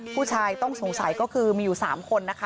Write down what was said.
ผู้ชายต้องสงสัยก็คือมีอยู่๓คนนะคะ